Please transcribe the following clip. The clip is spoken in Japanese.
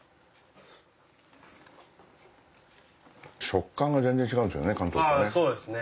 食感が全然違うんですよね